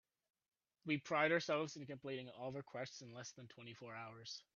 We pride ourselves in completing all requests in less than twenty four hours.